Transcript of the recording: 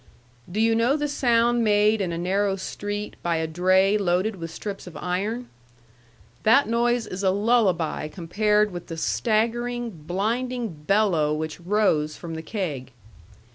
Do you know the sound made in a narrow street by a dray loaded with strips of iron? That noise is a lullaby compared with the staggering, blinding bellow which rose from the keg.